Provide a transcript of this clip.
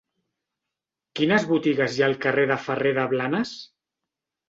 Quines botigues hi ha al carrer de Ferrer de Blanes?